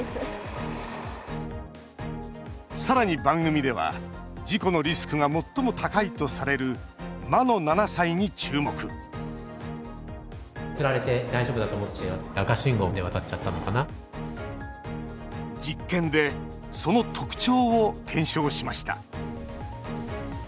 さらに番組では事故のリスクが最も高いとされる「魔の７歳」に注目実験でその特徴を検証しました。